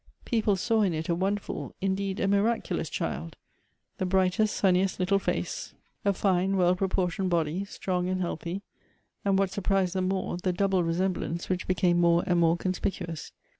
People saw in it n wonderful, indeed a miracu lous child ; the brightest, sunniest little face ; a fine, well proportioned body, strong and healthy; and what sur l)rised them more, the double resemblance, which became more and more conspicuous.